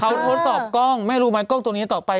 เขาสอบกล้องแม่รู้แม่